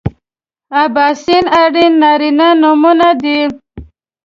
اباسین ارین نارینه نومونه دي